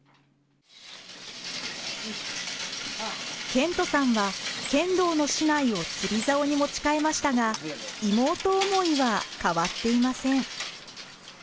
健翔さんは剣道の竹刀を釣りざおに持ち替えましたが妹思いは変わっていません。